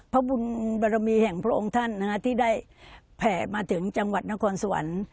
พระบุญบารมีแห่งพระองค์ท่านที่ได้แผ่มาถึงจังหวัดนครสวรรค์